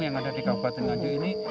yang ada di kabupaten nganjuk ini